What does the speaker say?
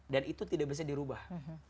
dan itu tidak bisa dirubah